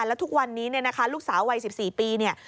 แล้วทุกวันนี้ลูกสาววัย๑๔ปี